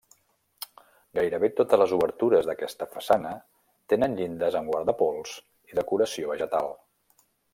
Gairebé totes les obertures d’aquesta façana tenen llindes amb guardapols i decoració vegetal.